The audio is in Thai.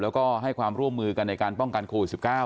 แล้วก็ให้ความร่วมมือกันในการป้องกันโควิด๑๙